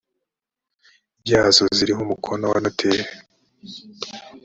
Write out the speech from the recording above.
byazo ziriho umukono wa noteri